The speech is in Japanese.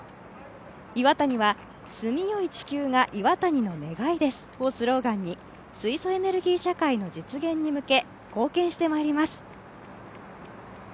イワタニは住みよい地球がイワタニの願いですをスローガンに水素エネルギー社会の実現に向け、貢献してまいります。